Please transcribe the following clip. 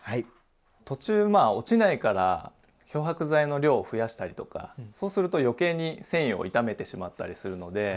途中落ちないから漂白剤の量を増やしたりとかそうすると余計に繊維を傷めてしまったりするので。